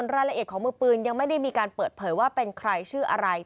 รายละเอียดของมือปืนยังไม่ได้มีการเปิดเผยว่าเป็นใครชื่ออะไร